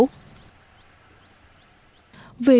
huyện nghị xuân